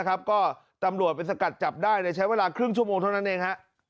ก็ตำรวจไปสกัดจับได้ในใช้เวลาครึ่งชั่วโมงเท่านั้นเอง